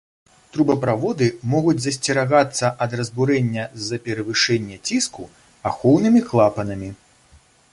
Трубаправоды могуць засцерагацца ад разбурэння з-за перавышэння ціску ахоўнымі клапанамі.